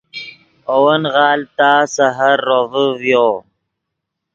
اے ون غالڤ تا سحر روڤے ڤیو